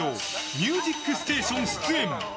「ミュージックステーション」出演！